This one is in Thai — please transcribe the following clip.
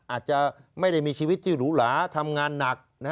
อาจจะไม่ได้มีชีวิตที่หรูหลาทำงานหนัก